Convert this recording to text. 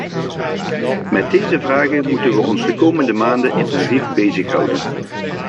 Met deze vragen moeten we ons de komende maanden intensief bezighouden.